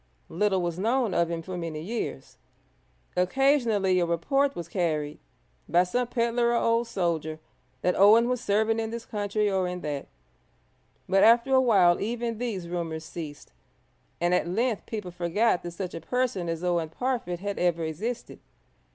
Little was known of him for many years: occasionally a report was carried by some pedlar or old soldier that Owen was serving in this country or in that, but after a while even these rumours ceased, and at length people forgot that such a person as Owen Parfitt had ever existed.